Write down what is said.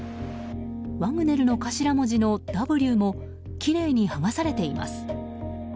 ワグネルの頭文字の「Ｗ」もきれいに剥がされています。